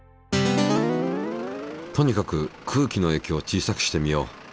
とにかく空気のえいきょうを小さくしてみよう。